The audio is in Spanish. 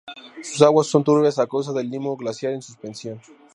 Sus aguas son turbias a causa del limo glaciar en suspensión.